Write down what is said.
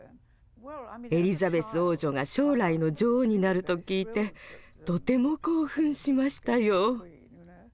エリザベス王女が将来の女王になると聞いてとても興奮しましたよ。